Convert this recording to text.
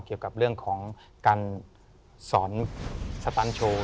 เกี่ยวกับเรื่องของการสอนสตานโชว์